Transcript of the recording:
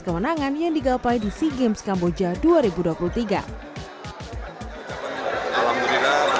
pertenangan yang digapai di sea games kamboja dua ribu dua puluh tiga alhamdulillah kita sampai di tanah air